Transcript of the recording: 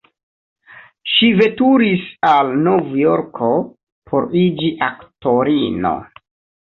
Ŝi veturis al Novjorko, por iĝi aktorino.